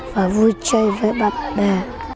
và vui chơi với bác bè